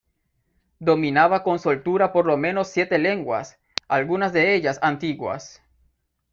Dominaba con soltura por lo menos siete lenguas, algunas de ellas antiguas.